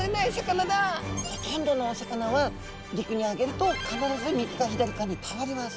ほとんどのお魚は陸にあげると必ず右か左かに倒れます。